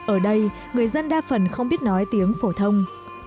ở đây người dân đa phần không biết nói tiếng phổ thông